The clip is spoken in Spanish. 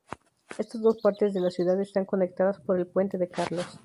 Estas dos partes de la ciudad están conectadas por el Puente de Carlos.